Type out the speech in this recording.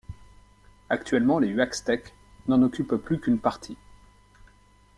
Actuellement les Huaxtèques n'en occupent plus qu'une partie.